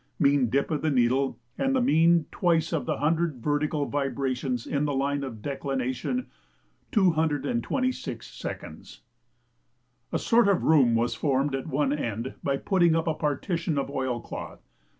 mean dip of the needle, and the mean twice of a hundred vertical vibrations in the line of declination 226". A sort of room was formed at one end by putting up a partition of oilcloth.